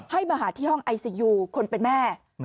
ให้มาหาที่ห้องไอซียูคนเป็นแม่